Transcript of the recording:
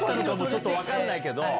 ちょっと分かんないけど。